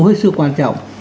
rất quan trọng